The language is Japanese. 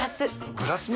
グラスも？